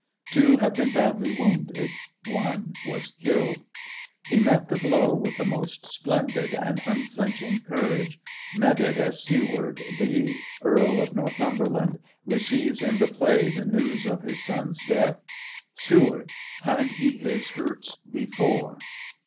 Two have been badly wounded; one was killed. He met the blow with the most splendid and unflinching courage, met it as Siward, the Earl of Northumberland receives in the play the news of his son's death: Siw. Had he his hurts before?